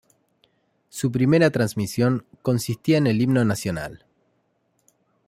Su primera transmisión consistía en el Himno Nacional.